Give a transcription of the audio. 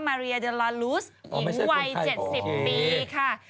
มาเรียเดลลาลูสหญิงวัย๗๐ปีค่ะ